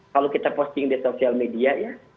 kalau kita posting di sosial media ya